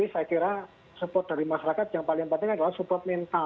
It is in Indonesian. saya kira support dari masyarakat yang paling penting adalah support mental